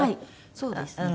そうですね。